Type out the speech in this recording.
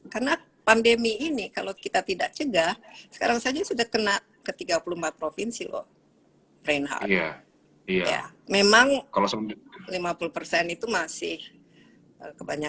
besar sekali ini it's scary kalau misalnya nanti pindah ke daerah jadi itu prioritasnya